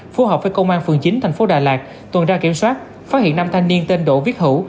phù hợp với công an phường chín tp đà lạt tuần tra kiểm soát phát hiện năm thanh niên tên đỗ viết hữu